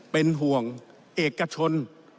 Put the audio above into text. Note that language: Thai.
เป็นห่วงเอกชน